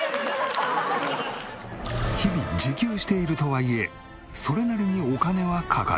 日々自給しているとはいえそれなりにお金はかかる。